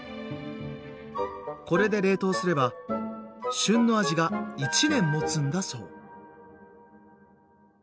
これで冷凍すれば旬の味が１年もつんだそう。